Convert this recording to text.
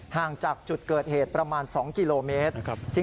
ห่างจากจุดเกิดเหตุประมาณ๒กิโลเมตร